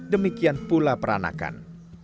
demikian pula peranakan